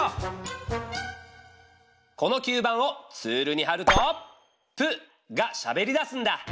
この吸盤をツールにはると「プ」がしゃべりだすんだ。